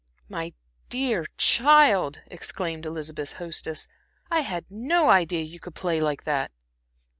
"My dear child," exclaimed Elizabeth's hostess, "I had no idea you could play like that."